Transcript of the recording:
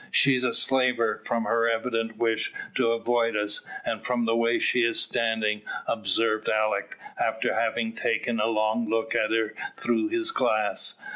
"She's a slaver, from her evident wish to avoid us, and from the way she is standing," observed Alick, after having taken a long look at her through his glass.